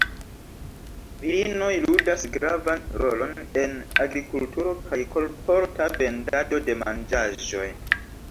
Virinoj ludas gravan rolon en agrikulturo kaj kolporta vendado de manĝaĵoj.